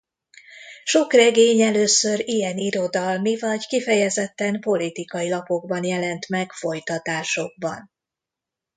Sok regény először ilyen irodalmi vagy kifejezetten politikai lapokban jelent meg folytatásokban.